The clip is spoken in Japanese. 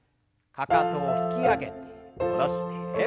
かかとを引き上げて下ろして。